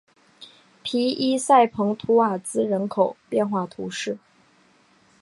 皮伊塞蓬图瓦兹人口变化图示